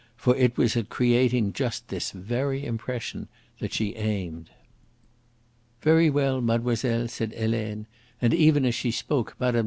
For it was at creating just this very impression that she aimed. "Very well, mademoiselle," said Helene. And even as she spoke Mme.